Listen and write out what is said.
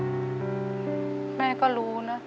แม่ก็รู้นะแต่คือว่าแม่ก็รักลูกมากทั้งสองคน